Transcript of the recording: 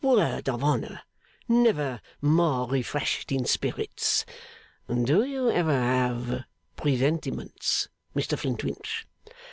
'Word of honour! never more refreshed in spirits. Do you ever have presentiments, Mr Flintwinch?